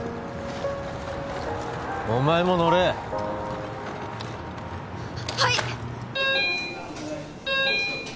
お前も乗れはっはい！